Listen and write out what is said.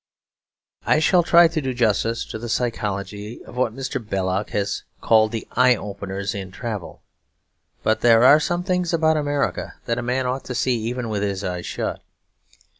I shall try to do justice to the psychology of what Mr. Belloc has called 'Eye Openers in Travel.' But there are some things about America that a man ought to see even with his eyes shut.